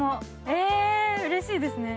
へえ、うれしいですね。